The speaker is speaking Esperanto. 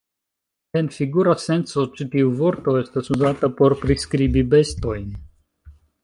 En figura senco ĉi tiu vorto estas uzata por priskribi bestojn.